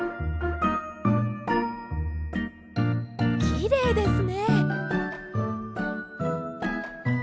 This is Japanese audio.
きれいですね。